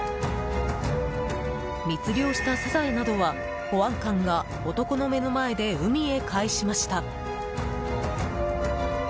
密漁したサザエなどは保安官が男の目の前で海へかえしました。